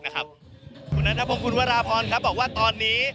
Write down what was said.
คุณนัทพงศ์คุณวราพรครับบอกว่าตอนนี้